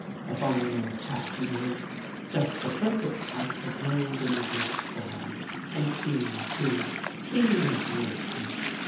A fine old chap he is, just the perfect type of an old English squire; — and keen, too, keen as^mustard.